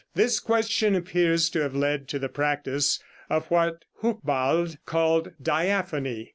This question appears to have led to the practice of what Hucbald called "diaphony."